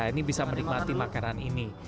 ini bisa menikmati makanan ini